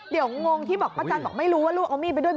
เดี๋ยวงงที่บอกป้าจันบอกไม่รู้ว่าลูกเอามีดไปด้วย